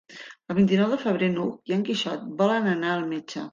El vint-i-nou de febrer n'Hug i en Quixot volen anar al metge.